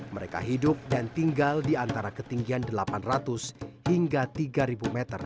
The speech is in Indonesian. mereka hidup dan tinggal di antara ketinggian delapan ratus hingga tiga meter